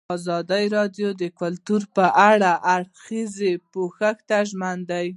ازادي راډیو د کلتور په اړه د هر اړخیز پوښښ ژمنه کړې.